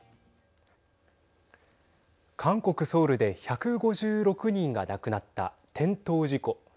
韓国ソウルで１５６人が亡くなった転倒事故。